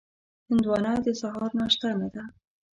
هندوانه د سهار ناشته نه ده.